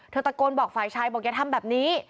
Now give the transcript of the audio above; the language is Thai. ตะโกนบอกฝ่ายชายบอกอย่าทำแบบนี้